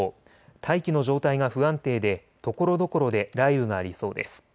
大気の状態が不安定でところどころで雷雨がありそうです。